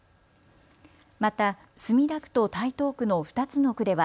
また、墨田区と台東区の２つの区では